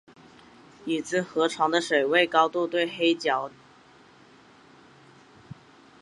已知河床的水位高度对黑长脚鹬数目有明显影响。